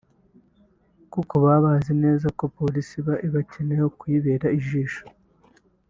kuko baba bazi neza ko Polisi iba ibakeneyeho kuyibera ijisho